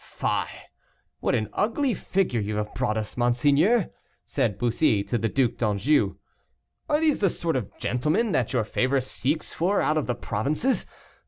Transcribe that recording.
"Fie! what an ugly figure you have brought us, monseigneur," said Bussy, to the Duc d'Anjou, "are these the sort of gentlemen that your favor seeks for out of the provinces?